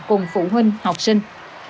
cùng phụ huynh học sinh